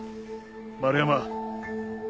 丸山。